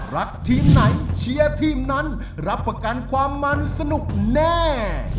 รักทีมไหนเชียร์ทีมนั้นรับประกันความมันสนุกแน่